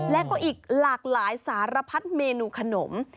และก็อีกหลากหลายสารพัดเมนูขนม